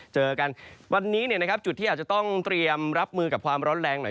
เจอกันวันนี้จุดที่อาจจะต้องเตรียมรับมือกับความร้อนแรงหน่อย